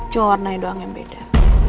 cuma warnanya doang yang beda